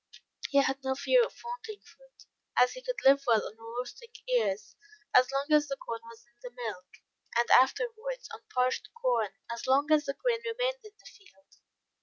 He had no fear of wanting food, as he could live well on roasting ears, as long as the corn was in the milk; and afterwards, on parched corn, as long as the grain remained in the field.